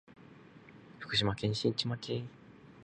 福島県新地町